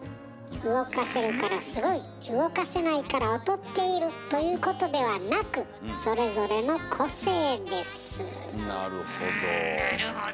動かせるからすごい動かせないから劣っているということではなくなるほど。